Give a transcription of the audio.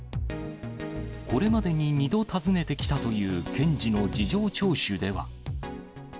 これまでに２度訪ねてきたという検事の事情聴取では。